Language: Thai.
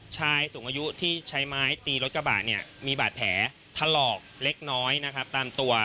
ชายสูงอายุที่ใช้ไม้ตีรถกระบะเนี่ยมีบาดแผลถลอกเล็กน้อยนะครับตามตัว